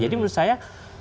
jadi menurut saya